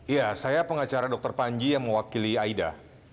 ya saya pengacara dr panji yang mewakili aida